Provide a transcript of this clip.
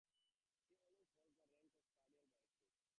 He always holds the rank of Cardinal Bishop.